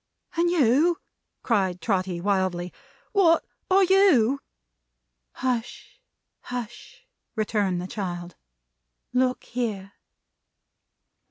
"And you," said Trotty, wildly. "What are you?" "Hush, hush!" returned the child. "Look here!"